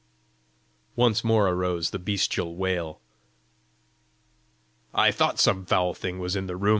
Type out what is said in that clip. Once more arose the bestial wail. "I thought some foul thing was in the room!"